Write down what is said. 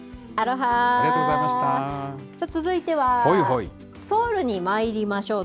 続いてはソウルにまいりましょう。